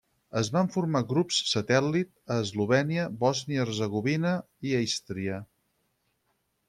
Es van formar grups satèl·lit a Eslovènia, Bòsnia, Hercegovina i Ístria.